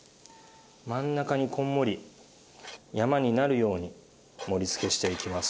真ん中にこんもり山になるように盛り付けしていきます。